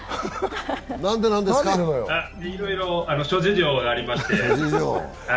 いろいろ諸事情がありまして。